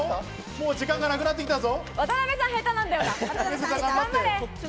時間がなくなってきたぞ。